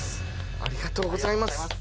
ありがとうございます。